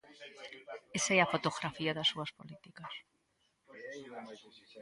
Esa é a fotografía das súas políticas.